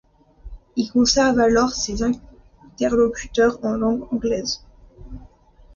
Il converse alors avec ses interlocuteurs en langue anglaise.